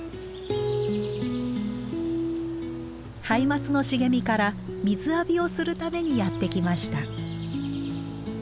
ハイマツの茂みから水浴びをするためにやって来ました。